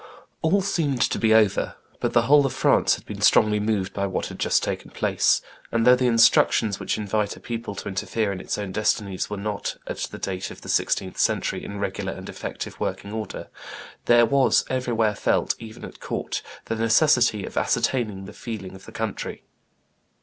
All seemed to be over; but the whole of France had been strongly moved by what had just taken place; and, though the institutions which invite a people to interfere in its own destinies were not at the date of the sixteenth century in regular and effective working order, there was everywhere felt, even at court, the necessity of ascertaining the feeling of the country.